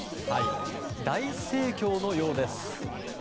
大盛況のようです。